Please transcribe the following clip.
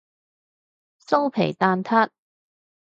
酥皮蛋撻